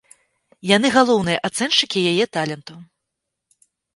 Яны галоўныя ацэншчыкі яе таленту.